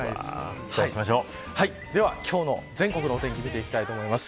では今日の全国のお天気を見ていきたいと思います。